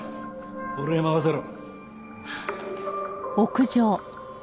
俺に任せろ！